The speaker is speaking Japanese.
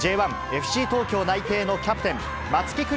・ＦＣ東京内定のキャプテン、松木玖生